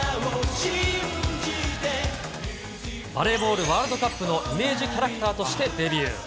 バレーボールワールドカップのイメージキャラクターとしてデビュー。